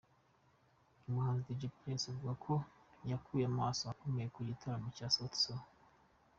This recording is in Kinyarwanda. Umuhanzi Dj Pius avuga ko yakuye amasomo akomeye mu gitaramo cya Sauti Sol.